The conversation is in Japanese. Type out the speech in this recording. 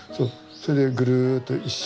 それでぐるっと一周。